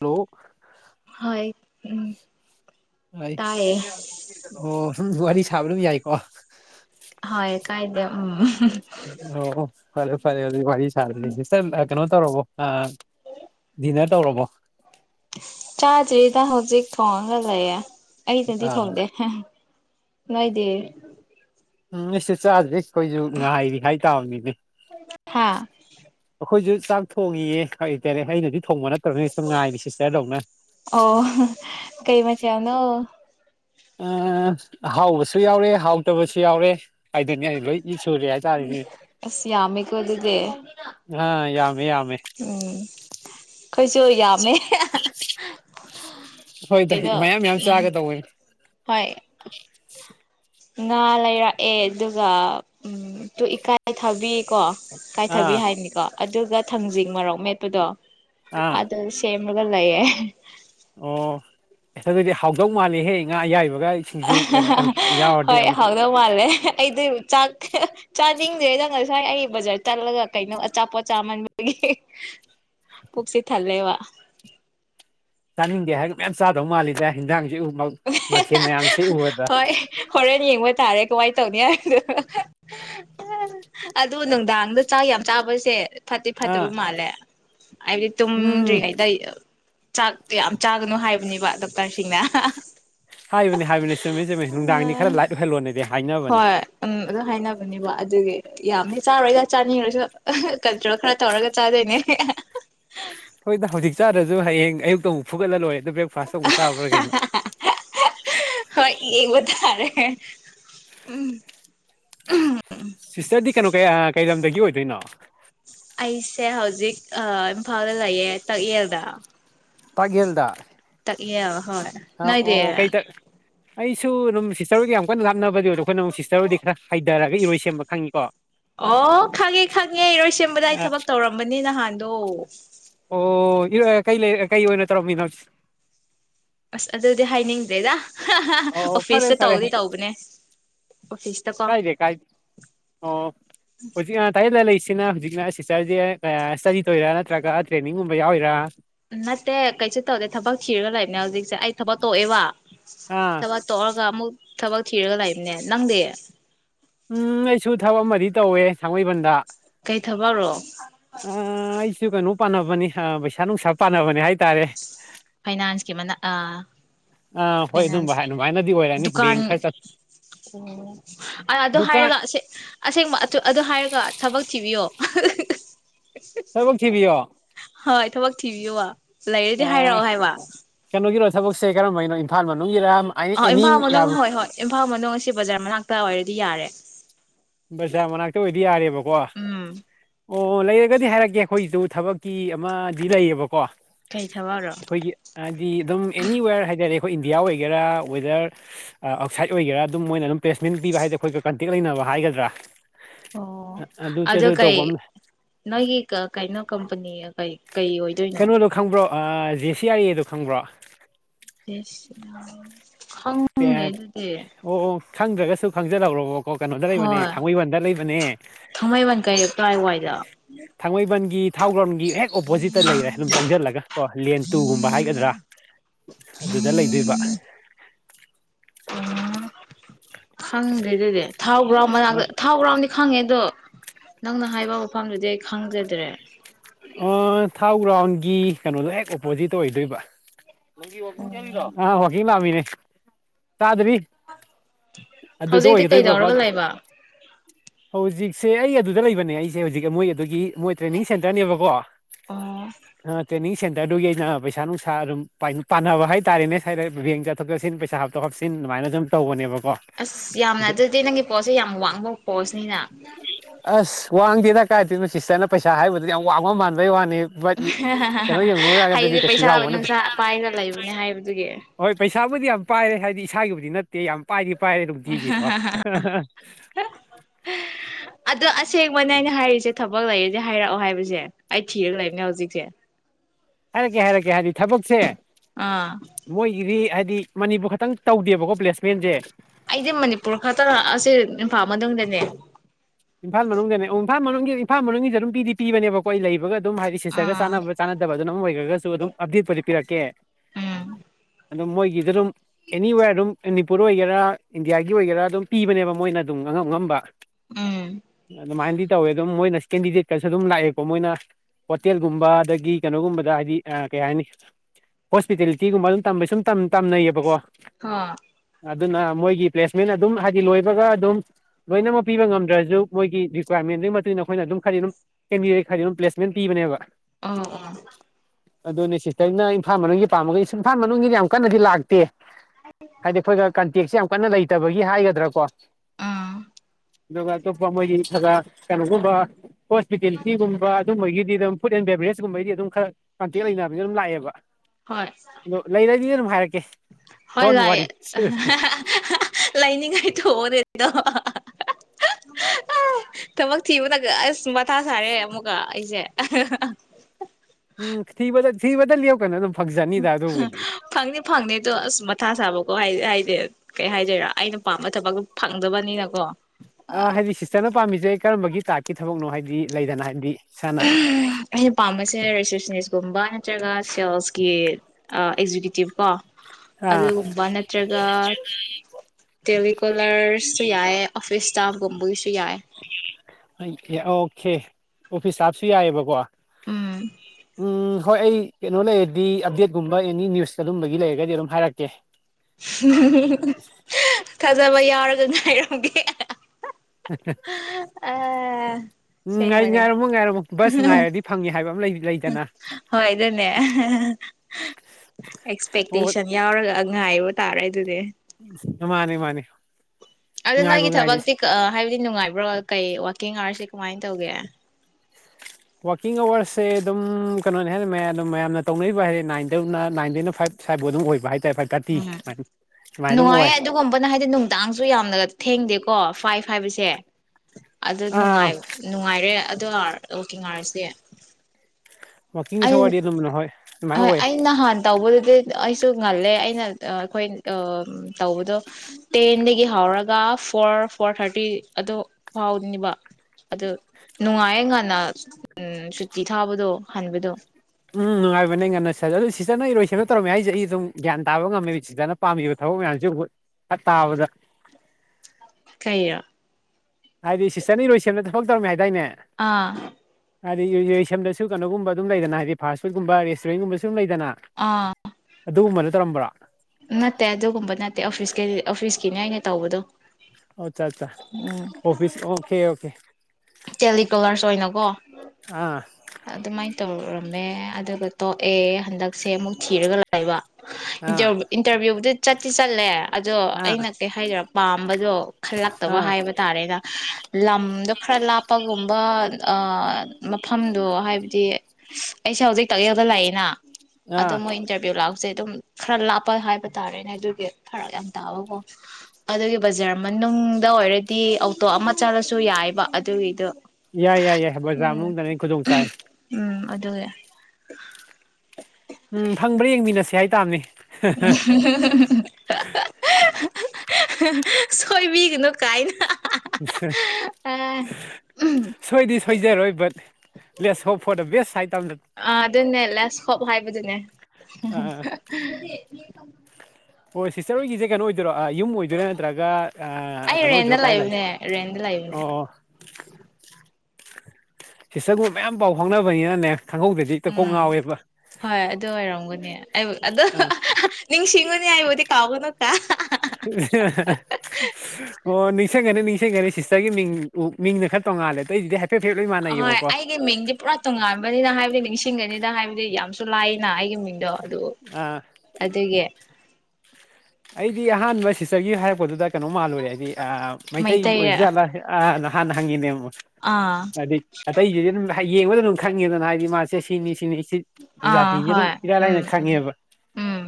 Hello ꯍꯣꯏ ꯎꯝ ꯇꯥꯏꯌꯦ ꯑꯣ ꯋꯥꯔꯤ ꯁꯥꯕ ꯑꯗꯨ ꯌꯥꯏꯀꯣ ꯍꯣꯏ ꯀꯥꯏꯗꯦ ꯎꯝ ꯑꯣ ꯐꯔꯦ ꯐꯔꯦ ꯋꯥꯔꯤ ꯁꯥꯁꯦ ꯁꯥꯏ [unintelligible] ꯀꯩꯅꯣ ꯇꯧꯔꯕꯣ ꯑ ꯗꯤꯅꯔ ꯇꯧꯔꯕꯣ ꯆꯥꯗꯔꯤꯗ ꯍꯧꯖꯤꯛ ꯊꯣꯡꯉꯒ ꯂꯩꯌꯦ ꯑꯩꯅꯗꯤ ꯑꯥ ꯊꯣꯡꯗꯦ ꯅꯣꯏꯗꯤ ꯎꯝ ꯑꯩꯁꯨ ꯆꯥꯗ꯭ꯦꯈꯣꯏꯁꯨ ꯉꯥꯏꯔꯤ ꯍꯥꯏ ꯇꯕꯅꯤꯅꯦ ꯍꯥꯥ ꯑꯩꯈꯣꯏꯁꯨ ꯆꯥꯛ ꯊꯣꯡꯉꯌꯦ ꯀꯇꯥꯔꯦ ꯑꯩꯅꯗꯤ ꯊꯣꯡꯕ ꯅꯠꯇ꯭ꯔꯒꯅꯁꯨ ꯉꯥꯏꯕ ꯁꯤꯁꯇꯔꯗꯧꯅ ꯅꯣ ꯍꯥꯎꯕꯁꯨ ꯌꯥꯎꯔꯦ ꯍꯥꯎꯇꯕꯁꯨ ꯌꯥꯎꯔꯦ ꯍꯥꯏꯗꯨꯅꯤ ꯑꯩ ꯂꯣꯏ ꯏ ꯁꯨꯔꯦ ꯍꯥꯏꯇꯥꯔꯦꯅꯦ ꯑ ꯌꯥꯃꯤ ꯀꯣꯗꯨꯗꯤ ꯌꯥꯝ ꯎꯝ ꯑꯩꯈꯣꯏꯁꯨ ꯌꯥꯝꯃꯦ ꯍꯣꯏꯗ ꯀꯩꯅꯣ ꯃꯌꯥꯝ ꯃꯌꯥꯝ ꯎꯝ ꯆꯥꯒ ꯇꯧꯕꯅꯤ ꯍꯣꯏ ꯉꯥ ꯂꯩꯔꯛꯑꯦ ꯑꯗꯨꯒ ꯎ ꯇꯨ ꯏꯀꯥꯏ ꯊꯥꯕꯤꯌꯦꯀꯣ ꯀꯥꯏꯊꯕꯤ ꯑꯥ ꯍꯥꯏꯅꯤꯀꯣ ꯑꯗꯨꯒ ꯊꯥꯡꯖꯤꯡ ꯃꯔꯣꯛ ꯃꯦꯠꯄꯗꯣ ꯑꯥ ꯑꯗꯣ ꯁꯦꯝꯃꯤ ꯃꯒ ꯂꯩꯑꯦ ꯑꯣ ꯑꯗꯨꯗꯤ ꯍꯥꯎꯗꯧ ꯃꯥꯂꯦꯍꯦꯛ ꯉꯥ ꯑꯌꯥꯏꯕ ꯍꯣꯏ ꯍꯥꯎꯗꯧ ꯃꯥꯜꯂꯦ ꯑꯩꯗꯤ ꯆꯥꯛ ꯆꯥꯅꯤꯡꯗ꯭ꯔꯦꯗꯪ ꯉꯁꯥꯏ ꯑꯩ ꯕꯖꯥꯔ ꯆꯠꯂꯒ ꯀꯩꯅꯣ ꯑꯆꯥꯄꯣꯠ ꯆꯥꯃꯟꯕꯒꯤ ꯄꯨꯛꯁꯤ ꯊꯜꯂꯦꯕ꯫ ꯆꯥꯅꯤꯡꯗꯦ ꯍꯥꯏꯔꯒ ꯃꯌꯥꯝ ꯆꯥꯗꯧ ꯃꯥꯜꯂꯤꯗ ꯍꯤꯟꯖꯥꯡꯁꯦ ꯎꯕꯗ ꯃꯊꯦꯜ ꯃꯌꯥꯝꯁꯤ ꯎꯕꯗ ꯍꯥꯏꯇꯥꯔꯦ ꯀꯃꯥꯏꯅ ꯇꯧꯅꯤ ꯍꯥꯏꯗꯣ ꯑꯗꯣ ꯅꯨꯡꯗꯥꯡꯗ ꯆꯥꯛ ꯌꯥꯝ ꯆꯥꯕꯁꯦ ꯐꯠꯇꯤ ꯐꯠꯇꯕ ꯑꯥ ꯃꯥꯜꯂꯦ ꯍꯥꯏꯕꯗꯤ ꯎꯝ ꯇꯨꯝꯗ꯭ꯔꯤꯉꯩꯗ ꯆꯥꯛ ꯌꯥꯝ ꯆꯥꯒꯅꯨ ꯍꯥꯏꯕ ꯅꯤꯕ ꯗꯣꯛꯇꯔꯁꯤꯡꯅ ꯍꯥꯏꯕꯅꯤ ꯍꯥꯏꯕꯅꯤ ꯆꯨꯝꯃꯦ ꯆꯨꯝꯃꯦ ꯅꯨꯡꯗꯥꯡꯅꯤ ꯈꯔ ꯂꯥꯏꯠ ꯑꯣꯏꯍꯜꯂꯣꯅꯦꯗꯤ ꯍꯥꯏꯅꯕꯅꯦ ꯍꯣꯏ ꯎꯝ ꯑꯗꯨ ꯍꯥꯏꯅꯕꯅꯦꯕ ꯑꯗꯨꯒꯤ ꯌꯥꯝꯗꯤ ꯆꯥꯔꯣꯏꯗ ꯆꯥꯅꯤꯡꯉꯁꯨ ꯑꯍ ꯀꯟꯇ꯭ꯔꯣꯜ ꯈꯔ ꯇꯧꯔꯒ ꯆꯥꯗꯣꯏꯅꯦ ꯑꯍꯦꯑꯍꯍ ꯍꯣꯏꯗ ꯍꯧꯖꯤꯛ ꯆꯥꯗ꯭ꯔꯁꯨ ꯍꯌꯦꯡ ꯑꯌꯨꯛꯇ ꯑꯃꯨꯛ ꯐꯨꯒꯠꯂ ꯂꯣꯏꯔꯦ ꯑꯗꯨ ꯕ꯭ꯔꯦꯛꯐꯥꯁꯇ ꯑꯃꯨꯛ ꯆꯥꯕ꯭ꯔꯥ ꯀꯩꯅꯣ ꯑꯍꯍꯍꯍ ꯍꯣꯏ ꯌꯦꯡꯕ ꯇꯥꯔꯦ ꯎꯝ ꯁꯤꯁꯇꯔꯗꯤ ꯀꯩꯅꯣ ꯀꯩꯗꯝꯗꯒ ꯑꯣꯏꯗꯣꯏ ꯅꯣ ꯑꯩꯁꯦ ꯍꯧꯖꯤꯛ ꯑ ꯏꯝꯐꯥꯜꯗ ꯂꯩꯌꯦ ꯇꯥꯛꯌꯦꯜꯗ ꯇꯥꯛꯌꯦꯜꯗꯥ ꯌꯥ ꯍꯣꯏ ꯅꯣꯏꯗꯤ ꯀꯩ ꯑꯩꯁꯨ ꯑꯗꯨꯝ ꯁꯤꯁꯇꯔꯒ ꯌꯥꯝ ꯀꯟꯅ ꯂꯞꯅꯕꯗꯤ ꯑꯣꯏꯗꯦ ꯑꯩꯈꯣꯏꯅ ꯑꯃꯨꯛ ꯁꯤꯁꯇꯔꯗꯤ ꯈꯔ ꯍꯩ ꯔꯒ ꯏꯔꯣꯏꯁꯦꯝꯕ ꯈꯪꯉꯤꯀꯣ ꯑꯣ ꯈꯪꯉꯦ ꯈꯪꯉꯦ ꯏꯔꯣꯏ ꯁꯦꯝꯕꯗ ꯑꯩ ꯊꯕꯛ ꯇꯧꯔꯝꯕꯅꯤ ꯅꯍꯥꯟꯗꯣ ꯑꯣ ꯏꯔꯣꯏ ꯀꯩ ꯂꯩ ꯑ ꯀꯩ ꯑꯣꯏꯅ ꯇꯧꯔꯝꯃꯤ ꯅꯣ ꯑꯁ ꯑꯗꯨꯗꯤ ꯍꯥꯏꯅꯤꯡꯗ꯭ꯔꯦꯗ ꯑꯣ ꯐꯔꯦ ꯑꯣꯐꯤꯁꯇ ꯐꯔꯦ ꯇꯧꯗꯤ ꯇꯧꯕꯅꯦ ꯑꯣꯐꯤꯁꯇ ꯀꯣ ꯀꯥꯏꯗꯦ ꯀꯥꯏꯗꯦ ꯑꯣ ꯍꯧꯖꯤꯛ ꯑ ꯇꯥꯛꯌꯦꯜꯗ ꯂꯩꯁꯤ ꯁꯤꯅ ꯍꯧꯖꯤꯛꯅ ꯁꯤꯁꯇꯔꯁꯦ ꯁ꯭ꯇꯗꯤ ꯇꯧꯔꯤꯔꯥ ꯅꯠꯇ꯭ꯔꯒ ꯇ꯭ꯔꯦꯅꯤꯡꯒꯨꯝꯕ ꯌꯥꯎꯔꯤꯔꯥ ꯅꯠꯇꯦ ꯀꯩꯁꯨ ꯇꯧꯗꯦ ꯊꯕꯛ ꯊꯤꯔꯒ ꯂꯩꯕꯅꯦ ꯍꯧꯖꯤꯛꯁꯦ ꯑꯩ ꯊꯕꯛ ꯇꯣꯛꯑꯦꯕ ꯑꯥ ꯊꯕꯛ ꯇꯣꯛꯒ ꯑꯃꯨꯛ ꯊꯕꯛ ꯊꯤꯔꯒ ꯂꯩꯥꯕꯅꯦ ꯅꯪꯗꯦ ꯎꯝ ꯑꯩꯁꯨ ꯊꯕꯛ ꯑꯃꯗꯤ ꯇꯧꯋꯦ ꯊꯥꯡꯃꯩꯕꯟꯗ ꯀꯩ ꯊꯕꯛꯔꯣ ꯎꯝ ꯑꯩꯁ ꯁꯤ ꯀꯩꯅꯣ ꯄꯥꯟꯅꯕꯅꯤ ꯑ ꯄꯩꯁꯥ ꯅꯨꯡꯁꯥ ꯄꯥꯟꯅꯕꯅꯤ ꯍꯥꯏ ꯇꯥꯔꯦ ꯐꯥꯏꯅꯥꯟꯁ ꯀ ꯃꯅ ꯑ ꯑꯥ ꯍꯣꯏ ꯑꯗꯨꯝꯕ ꯐꯥꯏꯅꯥꯟꯁ ꯑꯗꯨꯃꯥꯏꯅꯗꯤ ꯑꯣꯏꯔꯅꯤ ꯗꯨꯀꯥꯟ ꯕꯦꯡ ꯈꯔ ꯆꯠ ꯑꯣ ꯑ ꯑꯗꯨ ꯗꯨꯀꯥꯟ ꯍꯥꯏꯔꯒ ꯑꯁꯦ ꯑꯁꯦꯡꯕ ꯑꯊꯨ ꯑꯗꯨ ꯍꯥꯏꯔꯒ ꯊꯕꯛ ꯊꯤꯕꯤꯌꯣ ꯊꯕꯛ ꯊꯤꯕꯤꯌꯣ ꯍꯣꯏ ꯊꯕꯛ ꯊꯤꯕꯤꯌꯨꯕ ꯂꯩꯔꯗꯤ ꯍꯥꯏꯔꯛꯑꯣ ꯍꯥꯏ ꯑꯟꯑꯣꯗꯤꯕꯜ ꯒꯤꯔꯣ ꯊꯕꯛꯁꯦ ꯀꯔꯝꯕꯩ ꯅꯣ ꯏꯝꯐꯥꯜ ꯃꯅꯨꯡꯒꯤꯔ ꯑ ꯑꯦꯅꯤ ꯏꯝꯐꯥꯜ ꯃꯅꯨꯡ ꯌꯥꯕ ꯍꯣꯏ ꯍꯣꯏ ꯏꯝꯐꯥꯜ ꯃꯅꯨꯡ ꯑꯁꯤ ꯕꯖꯥꯔ ꯃꯅꯥꯛ ꯇ ꯑꯣꯏꯔꯗꯤ ꯌꯥꯔꯦ ꯕꯖꯥꯔ ꯃꯅꯥꯛꯇ ꯑꯣꯏꯔꯗꯤ ꯌꯥꯔꯦꯕꯀꯣ ꯎꯝ ꯑꯣ ꯂꯩꯔꯒꯗꯤ ꯍꯥꯏꯔꯛꯀꯦ ꯑꯩꯈꯣꯏꯒꯤꯁꯨ ꯊꯕꯛꯀꯤ ꯑꯃꯗꯤ ꯂꯩꯌꯦꯕꯀꯣ ꯀꯩ ꯊꯕꯛꯔꯣ ꯑꯩꯈꯣꯏꯒꯤ ꯍꯥꯏꯗꯤ ꯑꯗꯨꯝ ꯑꯦꯅꯤꯋꯦꯔ ꯍꯥꯏꯇꯔꯦ ꯑꯩꯈꯣꯏ ꯏꯟꯗꯤꯌꯥ ꯑꯣꯏꯒꯦꯔꯥ ꯋꯦꯗꯔ ꯑꯥꯎꯠꯁꯥꯏꯠ ꯑꯣꯏꯒꯦꯔꯥ ꯑꯗꯨꯝ ꯃꯣꯏꯅ ꯑꯗꯨꯝ ꯄ꯭ꯂꯦꯁꯃꯦꯟ ꯄꯤꯕ ꯍꯥꯏꯗꯤ ꯑꯩꯈꯣꯏꯒ ꯀꯟꯇꯦꯛ ꯂꯩꯅꯕ ꯍꯥꯏꯒꯗ꯭ꯔꯥ ꯀ꯭ꯔꯥ ꯑꯣ ꯑꯗꯨꯗꯣ ꯀꯩ ꯑꯃ ꯅꯣꯏꯒꯤ ꯀꯩꯅꯩꯅꯣ ꯀꯝꯄꯅꯤ ꯀꯩ ꯑꯣꯏꯗꯣꯏꯅꯣ ꯀꯩꯅꯣꯗꯣ ꯈꯪꯕ꯭ꯔꯣ ꯑ ꯦ ꯁꯤ ꯑꯔꯤꯗꯣ ꯈꯪꯕ꯭ꯔꯣ ꯁꯤ ꯈꯪꯃꯦ ꯑꯣ ꯑꯗꯨꯗꯤ ꯈꯪꯗ꯭ꯔꯒꯁꯨ ꯈꯪꯖꯔꯧꯣꯕꯣ ꯀꯣ ꯀꯩꯅꯣꯗ ꯂꯩꯕꯅꯦ ꯍꯣꯏ ꯊꯥꯡꯃꯩꯕꯟꯗ ꯂꯩꯕꯅꯦ ꯊꯥꯡꯃꯩꯕꯟ ꯀꯩ ꯀꯥꯏꯋꯥꯏꯗ ꯊꯥꯡꯃꯩꯕꯟꯒꯤ ꯊꯥꯎ ꯒ꯭ꯔꯥꯎꯟꯒꯤ ꯍꯦꯛ ꯑꯣꯄꯣꯖꯤꯠꯇ ꯂꯩꯔꯦ ꯑꯗꯨꯝ ꯆꯪꯁꯤꯜꯂꯒ ꯀꯣ ꯂꯦꯟ ꯇꯨꯒꯨꯝꯕ ꯍꯥꯏꯒꯗ꯭ꯔꯥ ꯑꯗꯨꯗ ꯂꯩꯗꯣꯏꯕ ꯎ ꯈꯪꯗ꯭ꯔꯦ ꯑꯗꯨꯗꯤ ꯊꯥꯎ ꯒ꯭ꯔꯥꯎ ꯃꯅꯥꯛꯇ ꯊꯥꯎ ꯒ꯭ꯔꯥꯎꯗꯤ ꯈꯪꯉꯦ ꯑꯗꯣ ꯅꯪꯅ ꯍꯥꯏꯕ ꯃꯐꯝꯗꯨꯗꯤ ꯑꯩ ꯈꯪꯖꯗ꯭ꯔꯦ ꯑ ꯊꯥꯎ ꯎꯔꯥꯎꯟꯒꯤ ꯀꯩꯅꯣꯗꯣ ꯍꯦꯛ ꯑꯣꯄꯣꯖꯤꯠꯇ ꯑꯣꯏꯗꯣꯏꯕ ꯑꯣ ꯋꯥꯡꯅꯦ ꯇꯥꯗ꯭ꯔꯤ ꯍꯧꯖꯤꯛꯇꯤ ꯀꯩꯗꯧꯔꯒ ꯂꯩꯕ ꯍꯧꯖꯤꯛꯁꯦ ꯑꯩ ꯑꯗꯨꯗ ꯂꯩꯕꯅꯦ ꯑꯩꯁꯦ ꯍꯧꯖꯤꯛ ꯃꯣꯏ ꯑꯗꯨꯒꯤ ꯃꯣꯏ ꯅꯤꯕ ꯀꯣ ꯑꯣ ꯅ ꯇꯦꯁ ꯑꯗꯨꯒꯤ ꯑꯩꯅ ꯄꯩꯁꯥ ꯅꯨꯡꯁꯥ ꯑꯗꯨꯝ ꯄꯥꯟꯅꯕ ꯍꯥꯏꯇꯥꯔꯦꯅꯦ ꯁꯥꯏꯗ ꯕꯦꯡ ꯆꯠꯊꯣꯛ ꯆꯠꯁꯤꯟ ꯄꯩꯁꯥ ꯍꯥꯞꯇꯣꯛ ꯍꯥꯞꯆꯤꯟ ꯑꯗꯨꯃꯥꯏꯅ ꯑꯗꯨꯝ ꯇꯧꯕꯅꯦꯕ ꯑꯁ ꯌꯥꯝꯅ ꯑꯗꯨꯗꯤ ꯅꯪꯒꯤ ꯄꯣꯠꯁꯦ ꯌꯥꯝ ꯋꯥꯡꯕ ꯄꯣꯠꯁꯤꯅꯤꯅ ꯑꯁ ꯋꯥꯡꯗꯦꯗ ꯀꯥꯏꯗꯩꯅꯣ ꯁꯤꯁꯇꯔꯅ ꯄꯩꯁꯥ ꯍꯥꯏꯕꯗꯨꯗꯤ ꯌꯥꯝ ꯋꯥꯡꯕ ꯃꯥꯟꯕꯗꯩ ꯋꯥꯅꯤ ꯕꯠ ꯀꯩꯅꯣ ꯌꯦꯡꯉꯨꯔꯒꯗꯗꯤ ꯍꯩꯗꯤ ꯀꯩꯁꯨ ꯄꯩꯁꯥꯕ ꯌꯥꯎꯕ ꯅꯠꯇꯦ ꯅꯨꯡꯁꯥ ꯄꯥꯏꯔ ꯂꯩꯕꯅꯦ ꯍꯥꯏꯕꯗꯨꯒꯤ ꯏꯁꯥꯕꯨꯗꯤ ꯌꯥꯝ ꯄꯥꯏꯔꯦ ꯍꯥꯏꯗꯤ ꯏꯁꯥꯒꯤꯕꯨꯗꯤ ꯅꯠꯇꯦ ꯌꯥꯝ ꯄꯥꯏꯔꯤ ꯄꯥꯏꯔ ꯑꯗꯨ ꯊꯒꯦꯀꯣ ꯑꯗꯣ ꯑꯁꯦꯡꯕꯅꯦ ꯑꯩꯅ ꯍꯥꯏꯔꯤꯁꯦ ꯊꯕꯛ ꯂꯩꯔꯗꯤ ꯍꯥꯏꯔꯛꯑꯣ ꯍꯥꯏꯕꯁꯦ ꯑꯩ ꯊꯤꯔꯒ ꯂꯩꯕꯅꯦ ꯍꯧꯖꯤꯛꯁꯦ ꯍꯥꯏꯔꯛꯀꯦ ꯍꯥꯏꯔꯛꯀꯦ ꯍꯥꯏꯗꯤ ꯊꯕꯛꯁꯦ ꯑꯥ ꯅꯣꯏꯔꯤ ꯍꯥꯏꯗꯤ ꯃꯅꯤꯄꯨꯔ ꯈꯛꯇꯪ ꯇꯧꯗꯦꯕꯀꯣ ꯄ꯭ꯂꯦꯁꯃꯦꯟꯁꯦ ꯑꯩꯗꯤ ꯃꯅꯤꯄꯨꯔ ꯈꯛꯇ ꯑꯁꯤ ꯏꯝꯐꯥꯜ ꯃꯅꯨꯡꯗꯗꯅꯦ ꯏꯝꯐꯥꯜ ꯃꯅꯨꯡꯗꯅꯦ ꯑꯣ ꯏꯝꯐꯥꯜ ꯃꯅꯨꯡꯒꯤ ꯏꯝꯐꯥꯜ ꯃꯅꯨꯡꯒꯤꯁꯨ ꯑꯗꯨꯝ ꯄꯤꯗꯤ ꯄꯤꯕꯅꯦꯕꯀꯣ ꯂꯩꯕꯒ ꯑꯗꯨꯝ ꯍꯥꯏꯗꯤ ꯁꯤꯁꯇꯔꯒ ꯑꯥ ꯆꯥꯟꯅꯕ ꯆꯥꯟꯅꯗꯕ ꯑꯗꯨꯅꯝ ꯑꯣꯏꯈ꯭ꯔꯒ ꯑꯗꯨꯝ ꯑꯕꯤ ꯄꯄꯤꯔꯛꯀꯦ ꯎꯝ ꯑꯗꯨꯝ ꯃꯣꯏꯒꯤꯁꯨ ꯑꯗꯨꯝ ꯑꯦꯅꯤꯋꯦ ꯑꯗꯨꯝ ꯃꯅꯤꯄꯨꯔ ꯑꯣꯏꯒꯦꯔꯥ ꯏꯟꯗꯤꯌꯥꯒꯤ ꯑꯣꯏꯒꯦꯔꯥ ꯑꯗꯨꯝ ꯄꯤꯕꯅꯦꯕ ꯃꯣꯏꯅ ꯑꯗꯨꯝ ꯑꯉꯝ ꯑꯉꯝꯕ ꯎꯝ ꯑꯗꯨꯃꯥꯏꯅꯗꯤ ꯇꯧꯋꯦ ꯑꯗꯨꯝ ꯃꯣꯏꯅ ꯀꯦꯟꯗꯤꯗꯦꯠꯀꯁꯨ ꯑꯗꯨꯝ ꯂꯥꯛꯑꯦꯀꯣ ꯃꯣꯏꯅ ꯍꯣꯇꯦꯜꯒꯨꯝꯕ ꯑꯗꯒꯤ ꯀꯩꯅꯣꯒꯨꯝꯕꯗ ꯍꯥꯏꯗꯤ ꯀꯩ ꯍꯥꯏꯅꯤ ꯍꯣꯁꯄꯤꯇꯦꯂꯤꯇꯤꯒꯨꯝꯕ ꯑꯗꯨꯝ ꯇꯝꯕ ꯁꯨꯝ ꯇꯝꯅꯩꯌꯦꯕꯀꯣ ꯍꯣ ꯑꯗꯨꯅ ꯃꯣꯏꯒꯤ ꯄ꯭ꯂꯦꯁꯃꯦꯟ ꯑꯗꯨꯝ ꯍꯥꯏꯗꯤ ꯂꯣꯏꯕꯒ ꯑꯗꯨꯝ ꯂꯣꯏꯅꯃꯛ ꯄꯤꯕ ꯉꯝꯗ꯭ꯔꯁꯨ ꯃꯣꯏꯒꯤ ꯔꯤꯀ꯭ꯋꯥꯏꯔꯃꯦꯟꯗꯨꯒꯤ ꯃꯇꯨꯡ ꯏꯟꯅ ꯑꯩꯈꯣꯏꯅ ꯑꯗꯨꯝ ꯈꯗꯤ ꯑꯗꯨꯝ ꯀꯦꯟꯕꯤꯔꯛ ꯈꯗꯤ ꯑꯗꯨꯝ ꯄ꯭ꯂꯦꯁꯃꯦꯟ ꯄꯤꯕꯅꯦꯕ ꯑ ꯑ ꯑꯗꯨꯅꯦ ꯁꯤꯁꯇꯔꯅ ꯏꯝꯐꯥꯜ ꯃꯅꯨꯡꯒꯤ ꯄꯥꯝꯃꯒ ꯏꯝꯐꯥꯜ ꯃꯅꯨꯡꯒꯤꯗꯤ ꯌꯥꯝ ꯀꯟꯅꯗꯤ ꯂꯥꯛꯇꯦ ꯍꯥꯏꯗꯤ ꯑꯩꯈꯣꯏꯒ ꯀꯟ ꯇꯦꯛꯁꯦ ꯌꯥꯝ ꯀꯟꯅ ꯂꯩꯇꯕꯒꯤ ꯍꯥꯏꯒꯗ꯭ꯔꯥ ꯀꯣ ꯎꯝ ꯑꯗꯨꯒ ꯃꯣꯏꯒꯤ ꯈꯔ ꯀꯩꯅꯣꯒꯨꯝꯕ ꯍꯣꯁꯄꯤꯇꯦꯜꯂꯤꯇꯤꯒꯨꯝꯕ ꯑꯗꯨꯝꯕꯒꯤ ꯑꯗꯨꯝ ꯐꯨꯗ ꯑꯦꯟ ꯕꯦꯕꯔꯦꯖꯀꯨꯝꯕꯗꯤ ꯑꯗꯨꯝ ꯈꯔ ꯀꯟꯇꯦꯛ ꯂꯩꯅꯕꯅꯤꯅ ꯑꯗꯨꯝ ꯂꯥꯛꯑꯦꯕ ꯍꯣꯏ ꯑꯗꯣ ꯂꯩꯔꯗꯤ ꯑꯗꯨꯝ ꯍꯥꯏꯔꯛꯀꯦ ꯍꯣꯏ ꯗꯣꯟ ꯂꯥꯏ ꯋꯥꯔꯤ ꯂꯥꯏꯅꯤꯡꯉꯥꯏ ꯊꯣꯛꯔꯦꯗꯣ ꯊꯕꯛ ꯊꯤꯕꯅ ꯑꯁ ꯃꯊꯥ ꯁꯥꯔꯦ ꯑꯃꯨꯛꯀ ꯑꯩꯁꯦ ꯎꯝ ꯊꯤꯕꯁꯦ ꯊꯤꯕꯗ ꯀꯜꯂꯣ ꯑꯗꯨꯝ ꯎꯝ ꯐꯪꯅꯤ ꯐꯪꯅꯤꯗꯣ ꯑꯁ ꯃꯊꯥ ꯁꯥꯕꯀꯣ ꯍꯥꯏ ꯍꯥꯏꯗꯤ ꯀꯩ ꯍꯥꯏꯗꯣꯏꯔꯥ ꯑꯩꯅ ꯄꯥꯝꯕ ꯊꯕꯛꯇ ꯐꯪꯗꯕꯅꯤꯅꯀꯣ ꯑ ꯍꯥꯌꯗꯤ ꯁꯤꯁꯇꯔꯅ ꯄꯥꯝꯃꯤꯁꯦ ꯀꯔꯝꯕꯒꯤ ꯇꯥꯏꯞꯀꯤ ꯊꯕꯛꯅꯣ ꯍꯥꯏꯕꯗꯤ ꯂꯩꯗꯅ ꯍꯥꯏꯕꯗꯤ ꯑꯩꯅ ꯄꯥꯝꯕꯁꯦ ꯔꯤꯁꯤꯞꯁꯤꯅꯦꯁ ꯒꯨꯝꯕ ꯅꯠꯇ꯭ꯔꯒ ꯁꯦꯜꯁꯀꯤ ꯑꯦꯛꯖꯤꯀ꯭ꯨꯇꯤꯞ ꯀꯣ ꯑꯥ ꯑꯗꯨꯒꯨꯝꯕ ꯅꯠꯇ꯭ꯔꯒ ꯇꯦꯂꯤꯀꯣꯂꯔꯁꯨ ꯌꯥꯏ ꯑꯣꯐꯤꯁ ꯆꯒꯨꯝꯕꯣꯏꯁꯨ ꯌꯥꯏ ꯑꯣꯀꯦ ꯑꯣꯐꯤꯁ ꯁꯇꯥꯄꯁꯨ ꯌꯥꯏꯑꯕꯀꯣ ꯎꯝ ꯎꯝ ꯍꯣꯏ ꯑꯩ ꯀꯩꯅꯣ ꯂꯩꯔꯗꯤ ꯑꯞꯗꯦꯠꯀꯨꯝꯕ ꯑꯦꯅꯤ ꯅꯤꯌꯨꯁ ꯑꯗꯨꯝꯕꯒꯤ ꯂꯩꯔꯒꯗꯤ ꯑꯗꯨꯝ ꯍꯥꯏꯔꯛꯀꯦ ꯎꯝ ꯊꯥꯖꯕ ꯌꯥꯎꯔꯒ ꯉꯥꯏꯔꯝꯒꯦ [unintelligible] ꯍ ꯎꯝ ꯉꯥꯏ ꯉꯥꯏꯔꯝꯃꯣ ꯉꯥꯏꯔꯝꯃꯣ ꯕꯁ ꯉꯥꯏꯔꯗꯤ ꯐꯪꯉꯤ ꯍꯥꯏꯕ ꯑꯃ ꯂꯩꯕꯤ ꯎ ꯍꯣꯏ ꯑꯗꯨꯅꯦ ꯑꯣ ꯑꯦꯛꯁꯄꯦꯛꯇꯦꯁꯟ ꯌꯥꯎꯔꯒ ꯉꯥꯏꯕ ꯇꯥꯔꯦ ꯑꯗꯨꯗꯤ ꯃꯥꯅꯤ ꯃꯥꯅꯤ ꯑꯗ ꯅꯪꯒꯤ ꯊꯕꯛꯇꯤ ꯍꯥꯏꯕꯗꯤ ꯅꯨꯡꯉꯥꯏꯕ꯭ꯔꯣ ꯀꯩ ꯋꯥꯥꯛꯀꯤꯡ ꯑꯋꯥꯔꯁ ꯀꯃꯥꯏꯅ ꯇꯧꯒꯦ ꯋꯥꯥꯛꯀꯤꯡ ꯑꯋꯥꯔꯁꯦ ꯑꯗꯨꯝ ꯀꯩꯅꯣꯅꯦ ꯍꯥꯏ ꯃ ꯑꯗꯨꯝ ꯃꯌꯥꯝꯅ ꯇꯧꯅꯔꯤꯕ ꯍꯥꯏꯔꯗꯤ ꯅꯥꯏꯟꯗꯅ ꯅꯥꯏꯟꯗꯅ ꯐꯥꯏꯚ ꯁꯕꯨ ꯑꯗꯨꯝ ꯑꯣꯏꯕ ꯍꯥꯏꯦ ꯎꯝ ꯑꯣꯏ ꯅꯨꯡꯉꯥꯏꯌꯦ ꯑꯗꯨꯒꯨꯝꯕꯅ ꯍꯥꯏꯗꯤ ꯅꯨꯡꯗꯥꯡꯁꯨ ꯌꯥꯝꯅꯒ ꯊꯦꯡꯗꯦ ꯀꯣ ꯐꯥꯏꯚ ꯍꯥꯏꯕꯁꯦ ꯑꯗꯨ ꯑꯥ ꯅꯨꯡꯉꯥꯏ ꯅꯨꯡꯉꯥꯏꯔꯦ ꯑꯗꯣ ꯑꯣꯀꯦ ꯉꯥꯔꯁꯦ ꯋꯥꯋꯥꯛꯀꯤꯡꯒꯤ ꯁꯋꯥꯏꯗꯤ ꯑꯗꯨꯝꯅ ꯍꯣꯏ ꯑꯗꯨꯃꯥꯏꯅ ꯍꯣꯏ ꯑꯣꯏ ꯑ ꯅꯍꯥꯟ ꯇꯧꯕꯗꯨꯗꯤ ꯑꯩꯁꯨ ꯉꯜꯂꯦ ꯑꯩꯅ ꯑꯩꯈꯣꯏ ꯇꯧꯕꯗꯣ ꯇꯦꯟꯗꯒꯤ ꯍꯧꯔꯒ ꯐꯣꯔ ꯐꯣꯔ ꯊꯥꯔꯇꯤ ꯑꯗꯨ ꯐꯥꯎꯅꯦꯕ ꯑꯗꯨ ꯅꯨꯡꯉꯥꯏꯌꯦ ꯉꯟꯅ ꯁꯨꯇꯤ ꯊꯥꯕꯗꯣ ꯍꯟꯕꯗꯣ ꯎꯝ ꯅꯨꯡꯉꯥꯏꯕꯅꯦ ꯉꯟꯅ ꯁ ꯑꯗꯨ ꯁꯤꯗꯅ ꯑꯩ ꯏꯔꯣꯏꯁꯤꯕ ꯇꯧꯔꯝꯃꯤ ꯍꯥꯏꯁꯦ ꯑꯩ ꯑꯗꯨꯝ ꯒ꯭ꯌꯥꯟ ꯇꯥꯕ ꯉꯝꯃꯦ ꯁꯤꯗꯅ ꯄꯥꯝꯃꯤꯕ ꯊꯕꯛ ꯃꯌꯥꯝꯁꯦ ꯇꯥꯕꯗ ꯀꯌꯥ ꯍꯥꯏꯗꯤ ꯁꯤꯁꯇꯔꯅꯤꯔꯣꯏ ꯁꯦꯝꯦꯝꯅ ꯊꯕꯛ ꯇꯧꯝꯃꯤ ꯍꯥꯏꯗꯤ ꯑꯥ ꯍꯥꯏꯗꯤ ꯌꯩꯁꯝꯗꯁꯨ ꯀꯣꯒꯕ ꯑꯗꯨꯝ ꯂꯩꯗꯅ ꯍꯥꯏꯗꯤ ꯐꯥꯁ ꯐꯨꯗꯀꯨꯝꯕ ꯔꯦꯁꯇꯨꯔꯦꯟꯒꯨꯝꯕꯁꯨ ꯑꯗꯨ ꯂꯩ ꯗꯅ ꯑꯥ ꯑꯗꯨꯒꯨꯝꯕ ꯄꯇꯔꯝꯕ꯭ꯔꯥ ꯅꯠꯇꯦ ꯑꯗꯨꯒꯨꯝꯕ ꯅꯠꯇꯦ ꯑꯣꯐꯤꯁꯀꯤ ꯑꯣꯐꯤꯁꯀꯤꯅꯦ ꯑꯩꯅ ꯇꯧꯕꯗꯣ ꯑꯆꯥ ꯑꯆꯥ ꯑꯣꯐꯤꯁ ꯑꯣꯀꯦ ꯑꯣꯀꯦ ꯆꯦꯂꯤ ꯀꯣꯂꯔꯁ ꯑꯣꯏꯅꯀꯣ ꯑꯥ ꯑꯗꯨꯃꯥꯏꯅ ꯇꯧꯔꯛꯨꯔꯝꯃꯦ ꯑꯗꯨꯒ ꯇꯣꯛꯑꯦ ꯍꯟꯗꯛꯁꯦ ꯑꯃꯨꯛ ꯊꯤꯔꯒ ꯂꯥꯛꯏꯕ ꯑꯥ ꯏꯟꯇꯔꯚꯤꯌꯨꯗꯤ ꯆꯠꯇꯤ ꯆꯠꯂꯦ ꯑꯗꯣ ꯑꯥ ꯑꯩꯅ ꯀꯩ ꯍꯥꯏꯗꯣꯏꯔ ꯄꯥꯝꯕꯗꯣ ꯈꯜꯂꯛꯇꯕ ꯑꯥ ꯍꯥꯏꯕ ꯇꯥꯔꯦꯅ ꯂꯝꯗꯣ ꯈꯈ꯭ꯔꯂꯥ ꯍꯥꯄꯒꯨꯝꯕ ꯃꯐꯝꯗꯣ ꯍꯥꯏꯕꯗꯤ ꯑꯩꯁꯦ ꯍꯧꯖꯤꯛ ꯇꯛꯂꯧꯗ ꯂꯥꯛꯏꯅ ꯑꯗꯣ ꯑꯥ ꯃ ꯏꯟꯇꯔꯚ꯭ꯨ ꯂꯥꯎꯁꯦ ꯑꯗꯨꯝ ꯈꯔ ꯂꯥꯞꯄ ꯍꯥꯏꯕ ꯇꯥꯔꯦꯅꯦ ꯑꯗꯨꯒꯤ ꯐꯔꯛ ꯌꯥꯝ ꯇꯥꯕꯀꯣ ꯑꯗꯨꯒꯤ ꯕꯖꯥꯔ ꯃꯅꯨꯡꯗ ꯑꯣꯏꯔꯗꯤ ꯑꯣꯇꯣ ꯑꯃ ꯆꯠꯂꯁꯨ ꯌꯥꯏꯕ ꯑꯗꯨ ꯏꯗꯣ ꯌꯥꯏ ꯌꯥꯏ ꯌꯥꯏ ꯕꯖꯥꯔ ꯃꯅꯨꯡꯗꯅ ꯑ ꯈꯨꯗꯣꯡ ꯆꯥꯏ ꯑꯗꯨꯗ ꯎꯝ ꯐꯪꯕ꯭ꯔꯥ ꯌꯦꯡꯃꯤꯟꯅꯁꯦ ꯍꯥꯏꯦ ꯇꯥꯝꯃꯦ [inaudible] ꯁꯣꯏꯕꯤꯒꯅꯨ ꯀꯥꯏꯅ ꯑ ꯁꯣꯏꯗꯤ ꯁꯣꯏꯖꯔꯣꯏ ꯕꯠ ꯂꯦꯁ ꯍꯣ ꯐꯣꯗꯣ ꯦꯁ ꯁꯥꯏꯠ ꯇꯝꯂ ꯑꯗꯨꯅꯦ ꯂꯁꯣꯞ ꯍꯥꯏꯕꯗꯨꯅꯦ [inaudible] [inaudible] ꯍꯣꯏ ꯁꯤꯁꯇꯔ ꯑꯣꯏꯒꯤꯁꯦ ꯀꯩꯅꯣ ꯑꯣꯏꯗꯣꯏꯔꯣ ꯌꯨꯝ ꯑꯣꯏꯗꯣꯏꯔꯥ ꯅꯠꯇ꯭ꯔꯒ ꯑꯩ ꯀꯩꯅꯣ ꯔꯦꯟꯗ ꯑꯣꯏꯗꯣꯏꯔꯥ ꯇꯥꯏ ꯂꯥꯛꯁꯦ ꯂꯩꯕꯅꯦ ꯔꯦꯟꯗ ꯂꯩꯕꯅꯦ ꯑꯣ ꯁꯤꯇꯔꯒꯨꯝꯕ ꯃꯌꯥꯝ ꯄꯥꯎ ꯐꯥꯎꯅꯕꯅꯤꯅꯅꯦ ꯈꯪꯍꯧꯗ꯭ꯔꯗꯤ ꯍꯦꯛꯇ ꯀꯣꯛ ꯎꯝ ꯉꯥꯎꯋꯦꯕ ꯍꯣꯏ ꯑꯗꯨ ꯑꯣꯏꯔꯝꯒꯅꯦ ꯑꯩꯕꯨ ꯑ ꯅꯤꯡꯁꯤꯡꯉꯨꯅꯤ ꯑꯩꯕꯨꯗꯤ ꯀꯥꯎꯒꯅ ꯀ ꯑꯣ ꯅꯤꯡꯁꯤꯡꯒꯅꯤ ꯅꯤꯡꯁꯤꯡꯒꯅꯤ ꯁꯤꯁꯇꯔꯒꯤ ꯃꯤꯡ ꯃꯤꯡꯅ ꯈꯔ ꯇꯣꯡꯉꯥꯜꯂꯦ ꯑꯇꯩ ꯑꯩꯁꯤꯗꯤ ꯍꯥꯏꯐꯦꯠ ꯍꯥꯏꯐꯦꯠ ꯂꯣꯏ ꯑꯍꯣꯏ ꯃꯥꯟꯅꯩꯌꯦꯕꯀꯣ ꯑꯩꯒꯤ ꯃꯤꯡꯗꯤ ꯄꯨꯔꯥ ꯇꯣꯉꯥꯟꯕꯅꯤꯅ ꯍꯥꯏꯕꯗꯤ ꯅꯤꯡꯁꯤꯡꯒꯅꯤꯅ ꯍꯥꯏꯕꯗꯤ ꯌꯥꯝ ꯂꯥꯏꯅꯥ ꯑꯩꯒꯤ ꯃꯤꯗꯣ ꯑꯗꯨ ꯑ ꯑꯗꯨꯒꯤ ꯑꯩꯗꯤ ꯑꯍꯥꯟꯕ ꯁꯤꯁꯇꯔꯒꯤ ꯍꯥꯏꯔꯛꯄꯗꯨꯗ ꯀꯩꯅꯣ ꯃꯥꯜꯂꯨꯔꯦ ꯍꯥꯏꯗꯤ ꯃꯩꯇꯩ ꯃꯩꯇꯩꯔ ꯑꯣꯏꯕꯖꯥꯠꯂ ꯑ ꯍꯥꯟꯅ ꯍꯪꯅꯦꯕꯣ ꯑꯥ ꯑꯗ ꯑ [inaudible] ꯌꯦꯡꯕꯗ ꯑꯗꯨꯝ ꯈꯪꯉꯦꯗꯅ ꯍꯥꯏꯗꯤ ꯃꯥꯁꯦ ꯁꯤꯅꯤ ꯁꯤꯅꯤ ꯁꯤ ꯑꯥ ꯖꯥꯇꯤꯅꯤ ꯑꯗꯨꯝ ꯍꯣꯏ ꯏꯔꯥꯏ ꯂꯥꯏꯅ ꯎꯝ ꯎꯝ ꯈꯪꯉꯦꯕ ꯎꯝ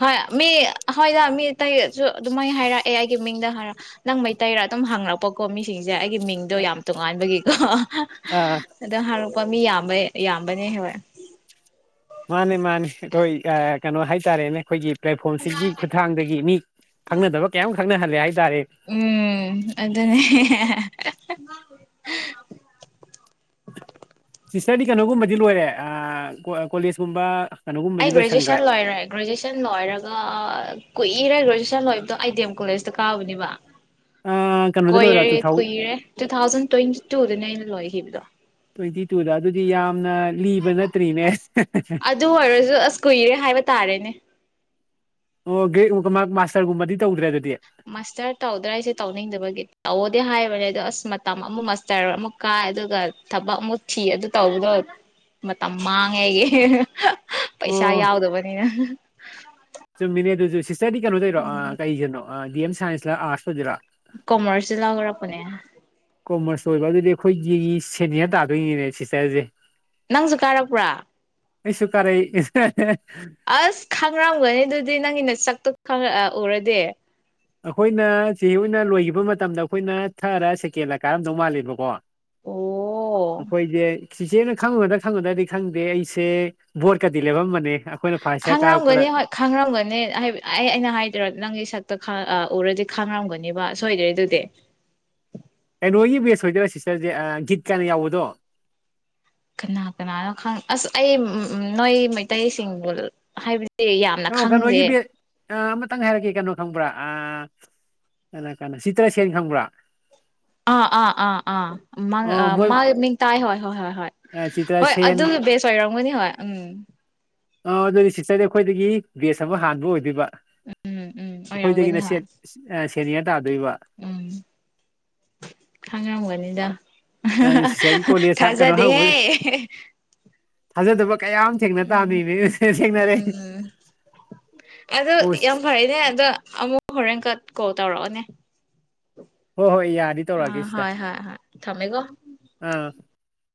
ꯍꯣꯏ ꯃꯤ ꯍꯣꯏꯗ ꯃꯤ ꯇꯩꯁꯨ ꯑꯗꯨꯃꯥꯏ ꯍꯥꯏꯔꯛꯑꯦ ꯑꯩꯒꯤ ꯃꯤꯡꯗ ꯍꯥꯏꯔ ꯅꯪ ꯃꯩꯇꯩꯩꯔ ꯑꯗꯨꯝ ꯍꯥꯡꯉꯛꯄꯀꯣ ꯃꯤꯁꯤꯡꯁꯦ ꯦ ꯑꯩꯒꯤ ꯃꯤꯡꯗꯣ ꯌꯥꯝ ꯇꯣꯉꯥꯟꯕꯒꯤꯀꯣ ꯑ ꯑꯗꯣ ꯍꯧꯔꯛꯄ ꯃꯤ ꯌꯥꯝ ꯌꯥꯕꯅꯤ ꯍ ꯃꯥꯅꯤ ꯃꯥꯅꯤ ꯀꯣꯏ ꯀ ꯀꯩꯅꯣ ꯍꯥꯏꯇꯥꯔꯦꯅꯦ ꯑꯩꯈꯣꯏꯒꯤ ꯄ꯭ꯂꯦꯠꯐꯣꯝꯁꯤꯒꯤ ꯈꯨꯠꯊꯥꯡꯗꯒꯤ ꯃꯤ ꯈꯪꯅꯗꯕ ꯀꯌꯥꯝ ꯈꯪꯅꯜꯂ ꯍꯥꯏ ꯎꯝ ꯑꯗꯨꯅꯦ [inaudible] ꯁꯤꯁꯇꯔꯗꯤ ꯀꯩꯅꯣꯒꯨꯝꯕꯗꯤ ꯂꯣꯏꯔꯦ ꯀꯣꯂꯦꯖꯀꯨꯝꯕ ꯑꯩ ꯀꯩꯅꯣꯒꯨꯝꯕꯗꯤ ꯂꯣꯏꯁꯟꯈ꯭ꯔꯦ ꯒ꯭ꯔꯦꯖꯨꯑꯦꯁꯟ ꯂꯣꯏꯔꯦ ꯒ꯭ꯔꯦꯖꯨꯌꯦꯁꯟ ꯂꯣꯏꯔꯒ ꯀꯨꯏꯔꯒꯦꯖ ꯄꯩꯁꯥ ꯂꯣꯏꯕꯗꯣ ꯑꯥꯏ ꯗꯤ ꯑꯦꯝ ꯀꯣꯂꯦꯖꯇ ꯀꯥꯎꯕꯅꯦꯕ ꯑ ꯀꯩꯅꯣꯗ ꯂꯣꯏꯔꯣ ꯀꯨꯏꯔ ꯇꯨ ꯊꯥꯎꯖꯟ ꯀꯨꯏꯔꯦ ꯇꯨ ꯊꯥꯎꯖ ꯇꯋꯦꯟꯇꯤ ꯇꯨ ꯂꯣꯏ ꯍꯤ [inaudible] ꯇ꯭ꯋꯦꯟꯇꯤ ꯇꯨꯗ ꯑꯗꯨꯗꯤ ꯌꯥꯝ ꯑꯗꯨ ꯑꯣꯏꯔꯁꯨ ꯑꯁ ꯀꯨꯏꯔꯦ ꯍꯥꯏꯕ ꯇꯥꯔꯦꯅꯦ ꯑꯣ ꯃꯥ ꯃꯥꯁꯇꯔꯒꯨꯝꯕꯗꯤ ꯇ ꯎꯗ꯭ꯔꯦ ꯑꯗꯨꯗꯤ ꯃꯥꯁꯇꯔ ꯇꯧꯗ꯭ꯔꯥ ꯑꯩꯁꯦ ꯇꯧꯅꯤꯡꯗꯕꯒꯤ ꯇꯧꯗꯤ ꯍꯥꯏꯕꯅꯦ ꯑꯗꯣ ꯑꯁ ꯃꯇꯝ ꯑꯃꯨꯛ ꯃꯥꯁꯇꯔ ꯑꯃꯨꯛ ꯀꯥꯏ ꯑꯗꯨꯒ ꯊꯕꯛ ꯑꯃꯨꯛ ꯊꯤ ꯑꯗꯨ ꯇꯧꯕꯗꯣ ꯃꯇꯝ ꯃꯥꯡꯉꯦꯒꯤ ꯄꯩꯁꯥ ꯑꯣ ꯌꯥꯎꯗꯕꯅꯤꯅ ꯆꯨꯝꯃꯤꯅꯦ ꯑꯗꯨꯁꯨ ꯁꯤꯁꯇꯔꯗꯤ ꯀꯩꯅꯣ ꯇꯧꯔꯣ ꯑ ꯀꯩꯁꯤꯅꯣ ꯗꯤꯑꯦꯝ ꯁꯥꯏꯟꯁꯂ ꯑꯥꯔꯠꯁ ꯑꯣꯏꯤꯔꯥ ꯀꯃꯔꯁ ꯂꯔꯄꯣꯅꯦ ꯀꯣꯃꯔꯁ ꯑꯣꯏꯕ ꯑꯗꯨꯗꯤ ꯑꯩꯈꯣꯏꯒꯤ ꯁꯦꯅꯤꯅ ꯇꯥꯗꯣꯏꯅꯤꯅꯦ ꯁꯤꯁꯇꯔꯁꯦ ꯅꯪꯁꯨ ꯀꯥꯔꯛꯄ꯭ꯔꯥ ꯑꯩꯁꯨ ꯀꯥꯔꯦ ꯑꯁ ꯈꯥꯡꯔꯝꯒꯅꯤ ꯑꯗꯨꯗꯤ ꯅꯪꯒꯤꯅ ꯆ ꯈ ꯑꯣꯏꯔꯗꯤꯦ ꯑꯩꯈꯣꯏꯅ ꯆꯦ ꯑꯣꯏꯅ ꯂꯣꯏꯈꯤꯕ ꯃꯇꯝꯗ ꯑꯩꯈꯣꯏꯅ ꯊꯥꯔ ꯁꯦꯀꯦꯟꯂ ꯀꯥꯔꯝꯗꯧ ꯃꯥꯜꯂꯦꯕꯀꯣ ꯑꯣ ꯑꯩꯈꯣꯏꯁꯦ ꯁꯤꯆꯦꯅ ꯈꯪꯉꯨꯨꯔꯗ ꯈꯪꯉꯨꯗ꯭ꯔꯗꯤ ꯈꯪꯗꯦ ꯑꯩꯁꯦ ꯕꯣꯠꯀꯗꯤ ꯂꯦꯞꯔꯝꯕꯅꯦ ꯈꯥꯡꯔꯝꯒꯅꯤ ꯍꯣꯏ ꯈꯥꯡꯔꯝꯒꯅꯤ ꯑꯩ ꯑꯩꯅ ꯍꯥꯏꯗꯣꯏꯔ ꯅꯪꯒꯤ ꯁꯛꯇ ꯎꯔꯗꯤ ꯈꯥꯡꯅꯔꯝꯒꯅꯦꯕ ꯁꯣꯏꯗ꯭ꯔꯦ ꯑꯗꯨꯗꯤ ꯑꯦ ꯅꯣꯏꯒꯤ ꯕꯦꯁ ꯑꯣꯏꯗꯣꯏꯔꯥ ꯁꯤꯁꯇꯔꯁꯦ ꯒꯤꯠ ꯀꯌꯥꯅ ꯌꯥꯎꯕꯗꯣ ꯀꯅꯥ ꯀꯅꯥꯅꯣ ꯈꯪ ꯑꯁ ꯑꯩ ꯅꯣꯏ ꯃꯩꯇꯩꯁꯤꯡꯕꯨ ꯍꯥꯏꯕ ꯌꯥꯝꯅ ꯈꯪꯗꯦ ꯑ ꯑꯃꯇꯪ ꯍꯥꯏꯔꯛꯒꯦ ꯀꯩꯅꯣ ꯈꯪꯕ꯭ꯔꯥ ꯑ ꯀꯩꯅꯣ ꯀꯩꯅꯣ ꯆꯤꯇ꯭ꯔꯁꯦꯟ ꯈꯪꯕ꯭ꯔꯥ ꯑꯥ ꯑꯥ ꯑꯥ ꯑꯥ ꯑꯣ ꯃꯣꯏ ꯃꯥ ꯃꯤꯡ ꯇꯥꯏ ꯍꯣꯏ ꯍꯣꯏ ꯍꯣꯏ ꯍꯣꯏ ꯍꯣꯏ ꯆꯤꯇ꯭ꯔꯁꯦꯟ ꯑꯗꯨ ꯕꯦꯁ ꯑꯣꯏꯔꯝꯒꯅꯤ ꯍꯣꯏ ꯎꯝ ꯑꯣ ꯑꯗꯨꯗꯤ ꯁꯤꯁꯇꯔꯗꯤ ꯑꯩꯈꯣꯏꯗꯒꯤ ꯕꯦꯁ ꯑꯃ ꯍꯥꯟꯕ ꯑꯣꯏꯗꯣꯏꯕ ꯎꯝ ꯎꯝ ꯑꯩꯈꯣꯏꯗꯒꯤ ꯑꯣꯏꯔꯝꯒꯅꯤ ꯍꯣꯏ ꯃꯆꯦꯠ ꯀꯦꯔꯤꯔ ꯎꯝ ꯈꯪꯉꯝꯒꯅꯤꯗ ꯑꯗꯨ ꯁꯤꯁꯇꯔꯒꯤ ꯀꯣꯂꯦꯖ ꯀꯩꯅꯣ ꯍꯧꯕ ꯊꯥꯖꯗꯦꯍꯦ ꯊꯥꯖꯗꯕ ꯀꯌꯥ ꯑꯃ ꯊꯦꯡꯅ ꯎꯝ ꯇꯥꯕꯅꯤꯅꯦ ꯊꯦꯡꯅꯔꯦ ꯎꯝ ꯑꯗꯣ ꯍꯣꯏ ꯌꯥꯝ ꯐꯩꯅꯦ ꯑꯗꯣ ꯑꯃꯨꯛ ꯍꯣꯔꯦꯟꯀꯛ ꯀꯣꯜ ꯇꯧꯔꯛꯑꯅꯦ ꯍꯣ ꯍꯣꯏ ꯌꯥꯔꯗꯤ ꯑꯥ ꯇꯧꯔꯛꯑꯒꯦ ꯁꯤꯗ ꯍꯣꯏ ꯍꯣꯏ ꯍꯣꯏ ꯊꯝꯃꯦꯒꯣ ꯑꯥ